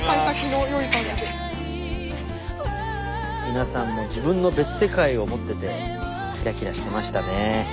皆さん自分の別世界を持っててキラキラしてましたね。